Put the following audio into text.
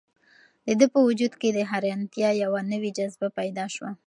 د ده په وجود کې د حیرانتیا یوه نوې جذبه پیدا شوه.